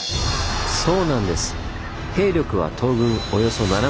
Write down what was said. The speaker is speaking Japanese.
そうなんです。